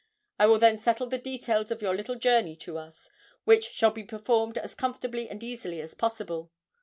I will then settle the details of your little journey to us, which shall be performed as comfortably and easily as possible.